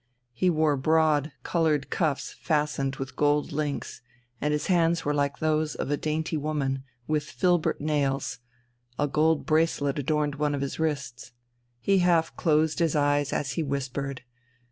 He wore broad coloured cuffs fastened with gold links, and his hands were like those of a dainty woman, with filbert nails; a gold bracelet adorned one of his wrists. He half closed his eyes as he whispered....